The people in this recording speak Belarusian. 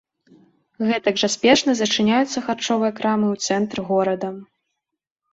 Гэтак жа спешна зачыняюцца харчовыя крамы ў цэнтры горада.